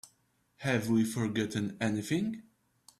Have we forgotten anything?